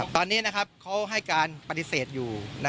ตอนนี้เขาให้การปฏิเสธอยู่